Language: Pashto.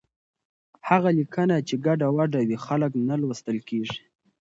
هغه لیکنه چې ګډوډه وي، خلک نه لوستل کېږي.